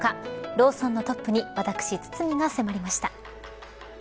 ローソンのトップに私、堤が迫りました。